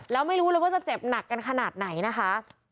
แล้วไม่รู้เลยว่าจะเจ็บหนักกันขนาดไหนนะคะ